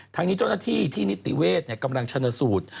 ทั้งนี้เจ้าหน้าที่ที่นิติเวศกำลังชนสูตร